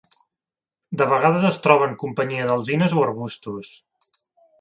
De vegades es troba en companyia d'alzines o arbustos.